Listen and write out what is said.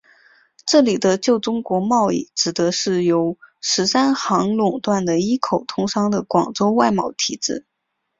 这里的旧中国贸易指的是由十三行垄断的一口通商的广州外贸体制。